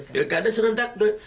pilih kada serendak